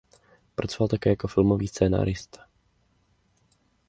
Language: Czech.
Pracoval také jako filmový scenárista.